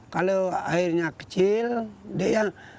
kalau airnya kecil dia